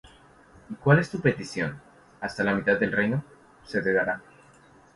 ¿y cuál es tu petición? Hasta la mitad del reino, se te dará.